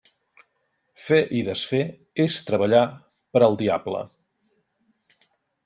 Fer i desfer és treballar per al diable.